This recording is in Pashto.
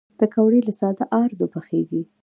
پکورې له ساده آردو پخېږي